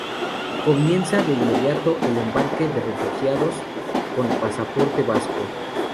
Comienza de inmediato el embarque de refugiados con pasaporte vasco.